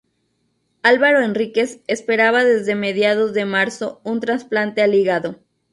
Álvaro Henríquez esperaba desde mediados de marzo un trasplante al hígado.